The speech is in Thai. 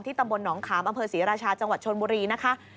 ตำบลหนองขามอำเภอศรีราชาจังหวัดชนบุรีนะคะ